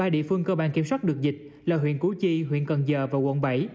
ba địa phương cơ bản kiểm soát được dịch là huyện củ chi huyện cần giờ và quận bảy